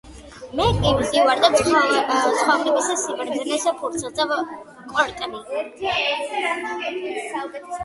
...მე კი ვზივარ და ცხოვრების სიბრძნეს ფურცელზე ვკორტნი.